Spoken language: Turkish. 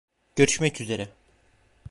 Görüşmek üzere.